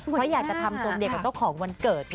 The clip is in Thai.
เพราะอยากจะทำทรงเดียวกับเจ้าของวันเกิด